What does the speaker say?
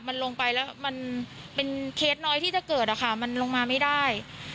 มันลงไปแล้วมันเป็นเคสน้อยที่จะเกิดอะค่ะมันลงมาไม่ได้